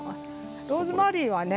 ローズマリーはね